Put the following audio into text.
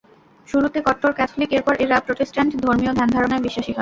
শুরুতে কট্টর ক্যাথলিক এরপর এরা প্রটেষ্ট্যান্ট ধর্মীয় ধ্যান ধারণায় বিশ্বাসী হয়।